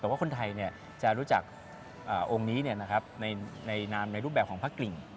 แต่ว่าคนไทยจะรู้จักองค์นี้ในรูปแบบของพระกริ่ง